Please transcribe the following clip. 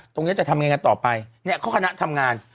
จะทำยังไงกันต่อไปเนี่ยเขาคณะทำงาน